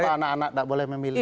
anak anak tidak boleh memilih